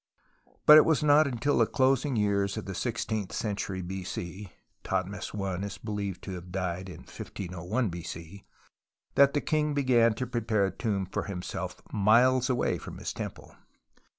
But it was not until the closing years of the sixteenth century B.C. (Thothmes I is believed to have died in 1501 b.c.) that the king began to prepare a tomb for himself miles away from his temple.